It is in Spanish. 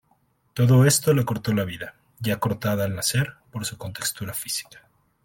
Todo esto le acortó la vida, ya acortada al nacer, por su contextura física.